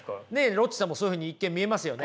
ロッチさんもそういうふうに一見見えますよね。